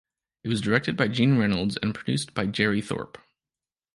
It was directed by Gene Reynolds and produced by Jerry Thorpe.